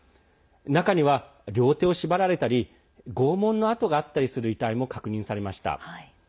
中には、両手を縛られたり拷問の跡があったりする遺体も確認されました。